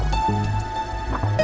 terima kasih pak chandra